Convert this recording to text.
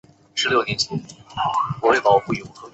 箱根温泉是神奈川县足柄下郡箱根町的温泉之总称。